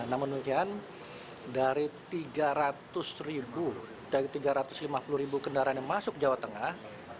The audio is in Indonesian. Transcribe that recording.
namun demikian dari tiga ratus ribu dari tiga ratus lima puluh ribu kendaraan yang masuk jawa tengah